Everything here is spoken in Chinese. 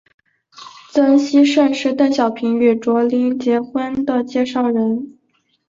曾希圣是邓小平与卓琳结婚的介绍人。